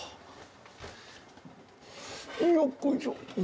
よっこいしょ。